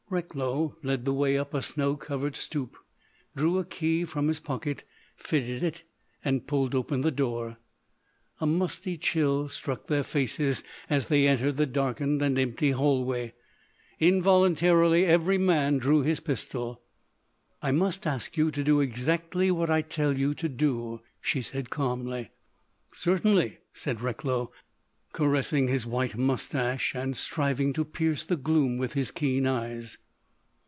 Recklow led the way up a snow covered stoop, drew a key from his pocket, fitted it, and pulled open the door. A musty chill struck their faces as they entered the darkened and empty hallway. Involuntarily every man drew his pistol. "I must ask you to do exactly what I tell you to do," she said calmly. "Certainly," said Recklow, caressing his white moustache and striving to pierce the gloom with his keen eyes.